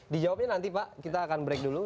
di jawabnya nanti pak kita akan break dulu